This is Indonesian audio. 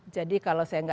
jadi kalau saya ngelihat